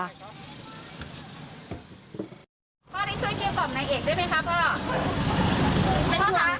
พ่อนี่ช่วยเกี่ยวกล่อมนายเอกได้ไหมครับพ่อ